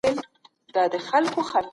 دوی د اوږدې مودې لپاره توکي تولیدول.